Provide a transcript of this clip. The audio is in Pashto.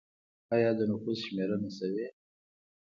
آیا د نفوس شمېرنه شوې؟